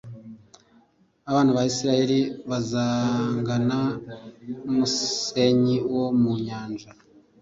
Abana ba Israheli bazangana n’umusenyi wo mu nyanja,